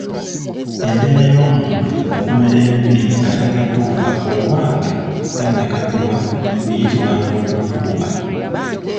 Embeera y’omuntu okumera envi nga tannatuuka oba nga tannakaddiwa eyitibwa nvi kutuuba.